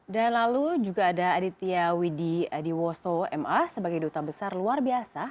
dan lalu juga ada aditya widi adiwoso ma sebagai duta besar luar biasa